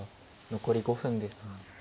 残り５分です。